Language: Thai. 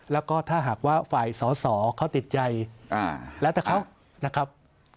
แล้วก็ถ้าหากว่าฝ่ายสอสอเขาติดใจแล้วแต่เขานะครับ